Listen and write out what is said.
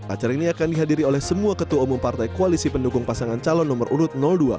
acara ini akan dihadiri oleh semua ketua umum partai koalisi pendukung pasangan calon nomor urut dua